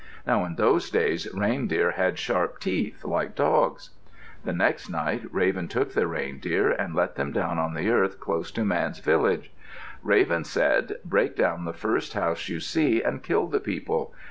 Now in those days reindeer had sharp teeth, like dogs. The next night Raven took the reindeer and let them down on the earth close to Man's village. Raven said, "Break down the first house you see and kill the people.